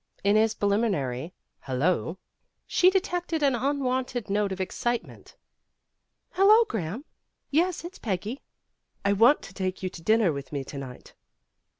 In his preliminary "Hello" she detected an unwonted note of excitement. "Hello, Graham. Yes, it's Peggy." "I want you to take dinner with me to night."